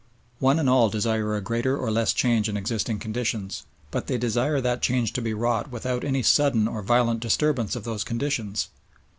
One and all desire a greater or less change in existing conditions, but they desire that change to be wrought without any sudden or violent disturbance of those conditions.